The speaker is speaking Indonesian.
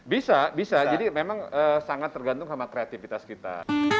bisa bisa jadi memang sangat tergantung sama kreativitas kita